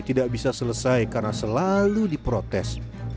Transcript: tidak bisa selesai karena selalu diprotes